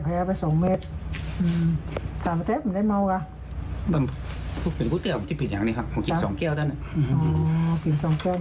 ฐานมันไม่ใช่ดีอ่ะมันมีทรงตรง